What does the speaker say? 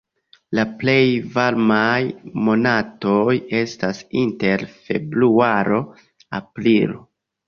La plej varmaj monatoj estas inter februaro-aprilo.